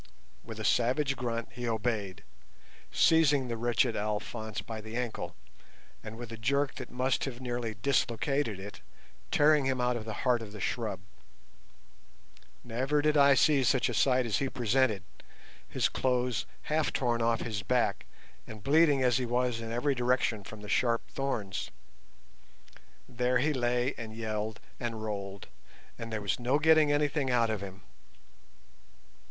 With a savage grunt he obeyed, seizing the wretched Alphonse by the ankle, and with a jerk that must have nearly dislocated it, tearing him out of the heart of the shrub. Never did I see such a sight as he presented, his clothes half torn off his back, and bleeding as he was in every direction from the sharp thorns. There he lay and yelled and rolled, and there was no getting anything out of him.